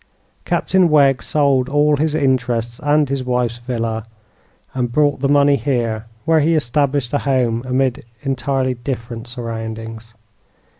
Captain Wegg sold all his interests and his wife's villa, and brought the money here, where he established a home amid entirely different surroundings.